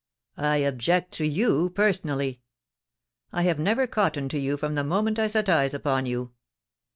I object to you personally. I have never cottoned to you from the moment I set eyes upon you.